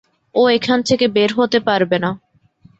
ও এখান থেকে বের হতে পারবে না।